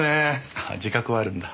あ自覚はあるんだ。